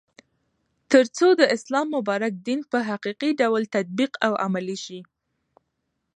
ترڅو د اسلام مبارک دين په حقيقي ډول تطبيق او عملي سي